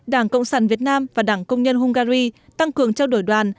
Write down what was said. đảng cộng sản việt nam và đảng công nhân hungary tăng cường trao đổi đoàn